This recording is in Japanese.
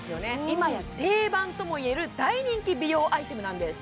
いまや定番ともいえる大人気美容アイテムなんです